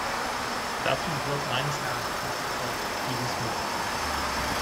Dazu gehört meines Erachtens auch dieses Mittel.